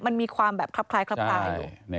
มันมีความแบบคลับคล้ายคลับตาอยู่